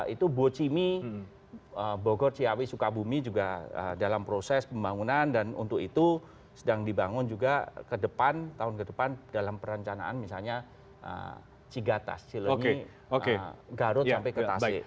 itu bocimi bogor ciawi sukabumi juga dalam proses pembangunan dan untuk itu sedang dibangun juga ke depan tahun ke depan dalam perencanaan misalnya cigatas cilenyi garut sampai ke tasik